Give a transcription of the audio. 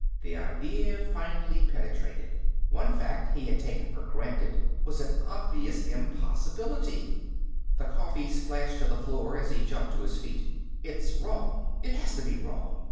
The idea finally penetrated. One fact he had taken for granted was an obvious impossibility. The coffee splashed to the floor as he jumped to his feet. "It's wrong ... it has to be wrong!"